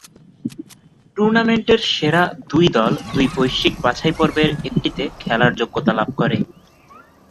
টুর্নামেন্টের সেরা দুই দল দুই বৈশ্বিক বাছাইপর্বের একটিতে খেলার যোগ্যতা লাভ করে।